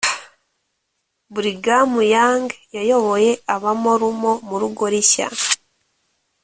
brigham young yayoboye abamorumo murugo rishya